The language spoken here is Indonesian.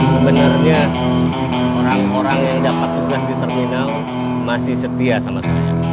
sebenarnya orang orang yang dapat tugas di terminal masih setia sama saya